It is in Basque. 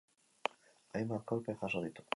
Hainbat kolpe jaso ditu.